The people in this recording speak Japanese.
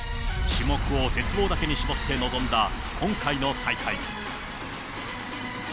種目を鉄棒だけに絞って臨んだ今回の大会。